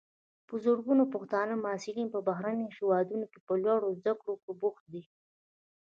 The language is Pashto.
په زرګونو پښتانه محصلین په بهرنیو هیوادونو کې په لوړو زده کړو بوخت دي.